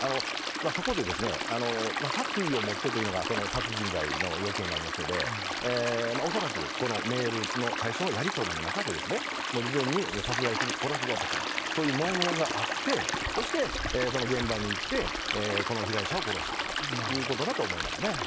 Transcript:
そこで、殺意を持ってというのが、殺人罪の要件になりますので、恐らくこのメールの、最初のやり取りの中で、事前に殺害する、殺すぞとか、そういう文言があって、そしてその現場に行って、この被害者を殺したということだと思いますね。